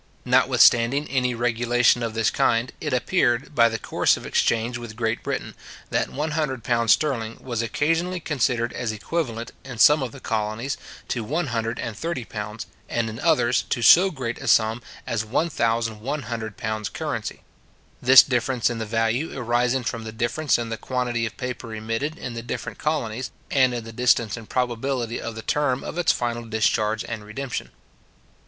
Notwithstanding any regulation of this kind, it appeared, by the course of exchange with Great Britain, that £100 sterling was occasionally considered as equivalent, in some of the colonies, to £130, and in others to so great a sum as £1100 currency; this difference in the value arising from the difference in the quantity of paper emitted in the different colonies, and in the distance and probability of the term of its final discharge and redemption.